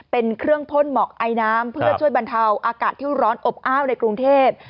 เป็นเครื่องพ่นหมอกไอน้ำเพื่อช่วยบรรเทาอากาศที่ร้อนอบอ้าวในกรุงเทพ